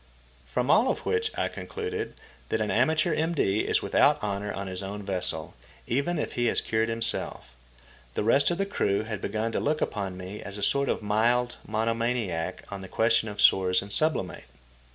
From all of which I concluded that an amateur M.D. is without honour on his own vessel, even if he has cured himself. The rest of the crew had begun to look upon me as a sort of mild mono maniac on the question of sores and sublimate.